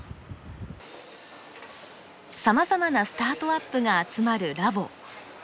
さまざまなスタートアップが集まるラボ。